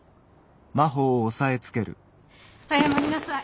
謝りなさい。